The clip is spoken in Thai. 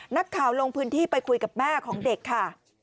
นักข่าวลงพื้นที่ไปคุยกับแม่ของเด็กค่ะ